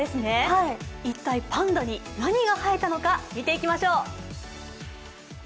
一体パンダに何が生えたのか見ていきましょう。